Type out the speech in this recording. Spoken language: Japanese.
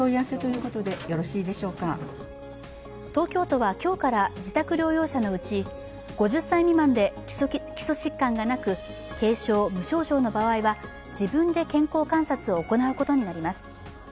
東京都は今日から自宅療養者のうち５０歳未満で基礎疾患がなく、軽症、無症状の場合は自分で健康観察を行うことになります。